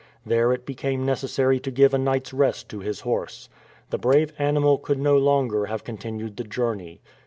There it became necessary to give a night's rest to his horse. The brave animal could no longer have continued the journey.